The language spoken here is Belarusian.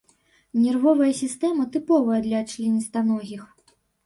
Нервовая сістэма тыповая для членістаногіх.